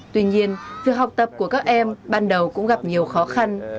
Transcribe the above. tuy nhiên việc học tập của các em ban đầu cũng gặp nhiều khó khăn